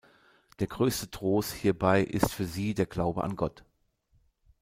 Der größte Trost hierbei ist für sie der Glaube an Gott.